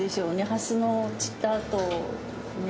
ハスの散ったあとをね。